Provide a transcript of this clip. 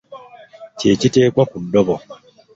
Kye kiteekwa ku ddobo.